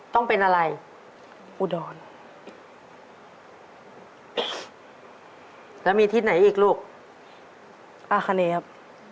ต้องเป็นอะไรอุดรแล้วมีที่ไหนอีกลูกอาคเนครับ